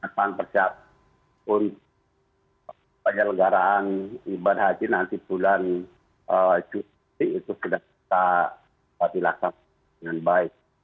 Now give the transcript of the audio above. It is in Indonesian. dan percaya pun penyegaran ibadah haji nanti bulan juni itu sudah bisa dilaksanakan dengan baik